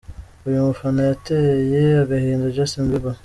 Uyu mufana yateye agahinda Justin Bieber.